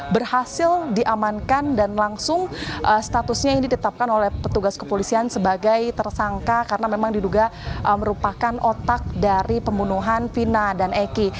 berhasil diamankan dan langsung statusnya ini ditetapkan oleh petugas kepolisian sebagai tersangka karena memang diduga merupakan otak dari pembunuhan vina dan eki